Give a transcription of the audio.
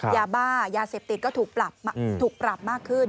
ยาเสพติดก็ถูกปรับมากขึ้น